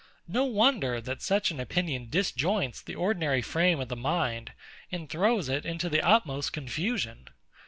No wonder that such an opinion disjoints the ordinary frame of the mind, and throws it into the utmost confusion.